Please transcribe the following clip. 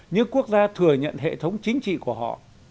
những quốc gia thừa nhận hệ thống chính trị của họ